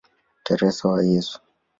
Teresa wa Yesu".